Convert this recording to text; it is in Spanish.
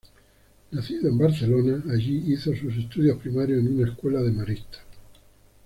Nacido en Barcelona, allí hizo sus estudios primarios en una escuela de Maristas.